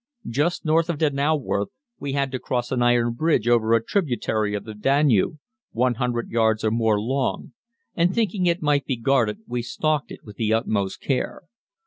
Just north of Donnauwörth we had to cross an iron bridge over a tributary of the Danube, 100 yards or more long, and thinking it might be guarded we stalked it with the utmost care.